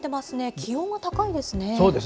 気温も高いですね。